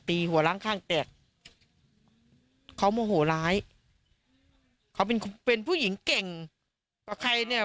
หัวล้างข้างแตกเขาโมโหร้ายเขาเป็นเป็นผู้หญิงเก่งกับใครเนี่ย